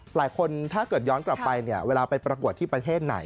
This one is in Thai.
ถ้าเกิดย้อนกลับไปเนี่ยเวลาไปประกวดที่ประเทศไหน